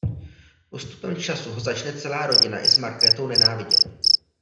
Postupem času ho začne celá rodina i s Markétou nenávidět.